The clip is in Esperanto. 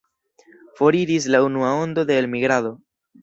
Foriris la unua ondo de elmigrado.